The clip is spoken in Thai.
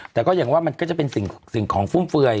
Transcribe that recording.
แต่ก็อย่างว่ามันก็จะเป็นสิ่งของฟุ่มเฟือย